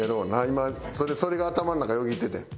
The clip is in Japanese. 今それが頭ん中よぎっててん。